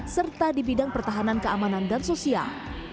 serta di bidang pertahanan keamanan dan sosial